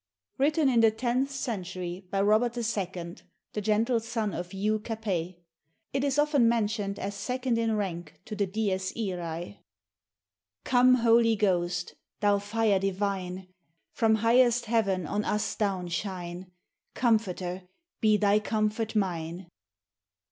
[Written in the tenth century by Robert II., the gentle son of Hugh Capet. It is often mentioned as second in rank to the Dies Irae.] Come, Holy Ghost! thou fire divine! From highest heaven on us down shine! Comforter, be thy comfort mine!